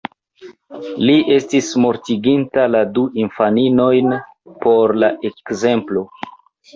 Li estis mortiginta la du infaninojn por la ekzemplo.